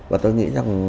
và tôi nghĩ rằng